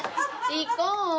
行こう！